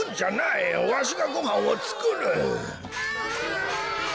わしがごはんをつくる。